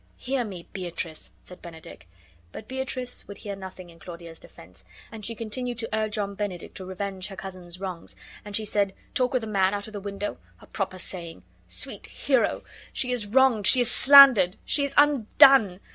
"Hear me, Beatrice!" said Benedick. But Beatrice would hear nothing in Claudio's defense, and she continued to urge on Benedick to revenge her cousin's wrongs; and she said: "Talk with a man out of the window? a proper saying! Sweet Hero! she is wronged; she is slandered; she is undone.